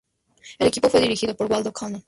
El equipo fue dirigido por Waldo Kantor.